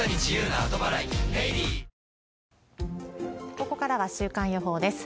ここからは週間予報です。